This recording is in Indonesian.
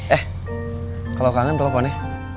eh kalo kangen telepon ya